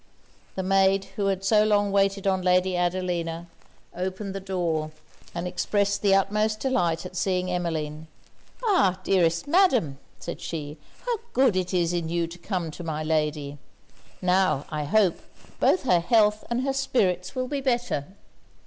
The maid who had so long waited on Lady Adelina opened the door, and expressed the utmost delight at seeing Emmeline. 'Ah! dearest Madam!' said she, 'how good it is in you to come to my lady! Now, I hope, both her health and her spirits will be better.